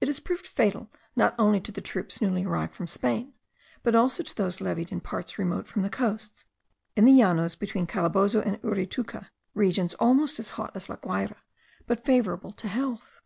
It has proved fatal not only to the troops newly arrived from Spain, but also to those levied in parts remote from the coasts, in the llanos between Calabozo and Uritucu, regions almost as hot as La Guayra, but favourable to health.